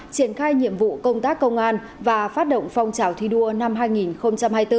triển khai nhiệm vụ công tác công an và phát động phong trào thi đua năm hai nghìn hai mươi bốn